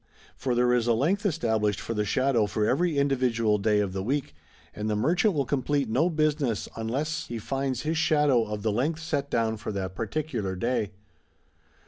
For there is a length esta blished for the shadow for every individual day of the week ; and the merchant will complete no business unless VOL. ir. X 300 MARCO POLO. BOOK III. he finds his shadow of the length set down for that parti cular day.